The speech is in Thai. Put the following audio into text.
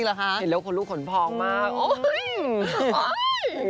จริงหรือคะเห็นแล้วคนลูกขนพองมากโอ๊ย